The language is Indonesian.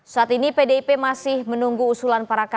saat ini pdip masih menunggu usulan parakan